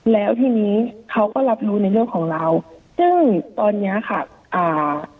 แล้วทีนี้เขาก็รับรู้ในเรื่องของเราซึ่งตอนเนี้ยค่ะอ่า